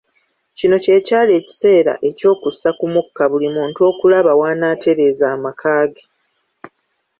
Kino kye kyali ekiseera eky'okussa ku mukka buli muntu okulaba w'anaatereeza amaka ge.